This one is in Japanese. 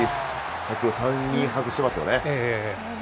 ３人外してますよね。